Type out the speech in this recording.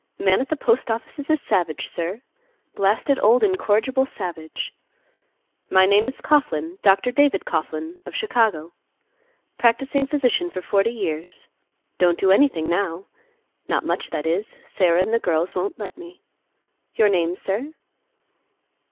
Man at the Postoffice is a savage, sir; blasted, old incorrigible savage. My name is Coughlan; Dr. David Coughlan, of Chicago; practicing physician for forty years; don't do anything now; not much, that is. Sarah and the girls won't let me. Your name, sir?"